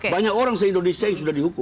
banyak orang se indonesia yang sudah dihukum